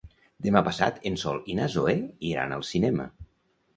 Demà passat en Sol i na Zoè iran al cinema.